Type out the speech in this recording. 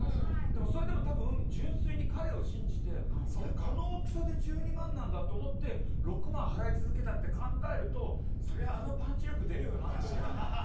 それでも多分、純粋に彼を信じてこの大きさで１２万なんだって思って６万払い続けたって考えるとあのパンチ力出るよなって。